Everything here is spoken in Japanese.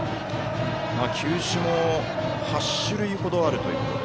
球種も８種類ほどあるということで。